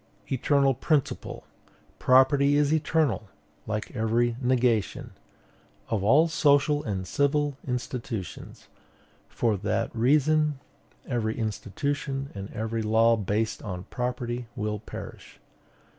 "Eternal principle, " Property is eternal, like every negation, "Of all social and civil institutions." For that reason, every institution and every law based on property will perish.